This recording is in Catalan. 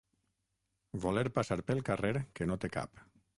Voler passar pel carrer que no té cap.